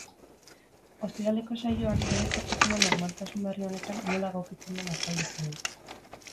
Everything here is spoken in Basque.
Ostiraleko saioan, bere etorkizuna normaltasun berri honetan nola egokitzen den azalduko du.